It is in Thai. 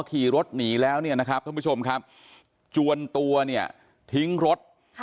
ขี่รถหนีแล้วท่านผู้ชมครับจวนตัวทิ้งรถ